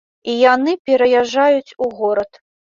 І яны пераязджаюць у горад.